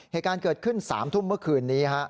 เหตุการณ์เกิดขึ้น๓ทุ่มเมื่อคืนนี้